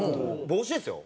帽子ですよ。